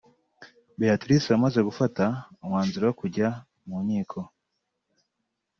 Beatrice wamaze gufata umwanzuro wo kujya mu nkiko